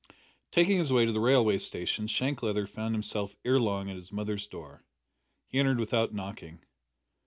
Taking his way to the railway station Shank Leather found himself ere long at his mother's door. He entered without knocking.